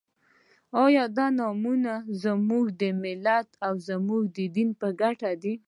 آیا دا نومؤنه زموږ د امت او زموږ د دین په ګټه ده؟